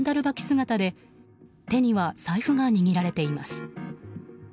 姿で手には財布が握られています。